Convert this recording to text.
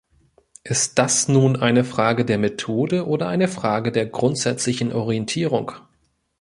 Ist das nun eine Frage der Methode oder eine Frage der grundsätzlichen Orientierung?